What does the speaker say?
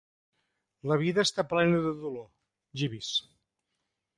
La vida està plena de dolor, Jeeves.